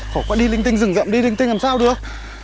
khổ quá đi linh tinh rừng rậm đi linh tinh làm sao được